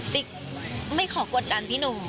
ติ๊กไม่ขอกดดันพี่หนุ่ม